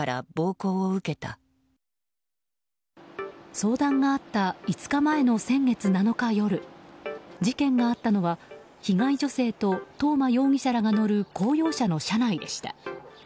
相談があった５日前の先月７日夜事件があったのは被害女性と東間容疑者らが乗る公用車の車内でした。